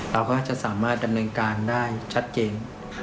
เราก็จะสามารถดำเนินการได้ชัดเจน